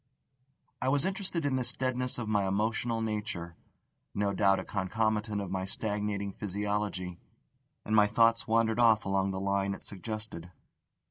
I was interested in this deadness of my emotional nature no doubt a concomitant of my stagnating physiology; and my thoughts wandered off along the line it suggested.